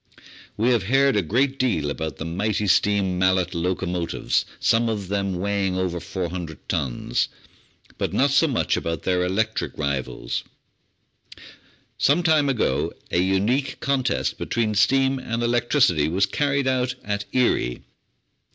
We have heard a great deal about the mighty steam Mallet locomotives, some of them weighing over 400 tons, but not so much about their electric rivals. Some time ago a unique contest between steam and elec tricity was carried out at Erie.